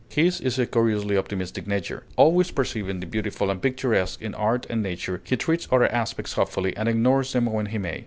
His is a curiously optimistic nature. Always perceiving the beautiful and picturesque in art and nature, he treats other aspects hopefully, and ignores them when he may.